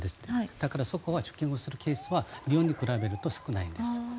だからそこは受験をするケースは日本に比べると少ないです。